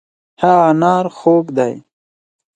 هغه انار خوږ دی.